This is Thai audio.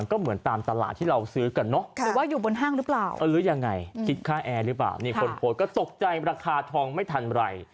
เครือนี้ลูกนี้กันหน่อย